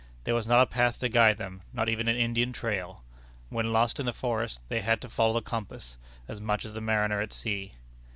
There was not a path to guide them, not even an Indian trail. When lost in the forest, they had to follow the compass, as much as the mariner at sea.